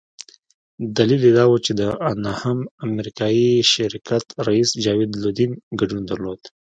دلیل یې دا وو چې د انهم امریکایي شرکت رییس جاوید لودین ګډون درلود.